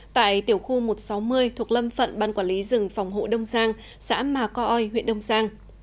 tại tiểu khu một trăm sáu mươi thuộc lâm phận ban quản lý rừng phòng hộ đông giang xã mà co oi huyện đông giang